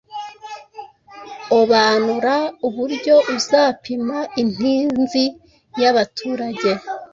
obanura uburyo uzapima intinzi yabaturage